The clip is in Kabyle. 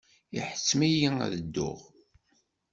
Iḥettem-iyi ad dduɣ.